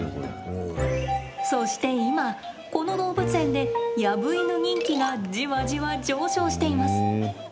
そして今、この動物園でヤブイヌ人気がじわじわ上昇しています。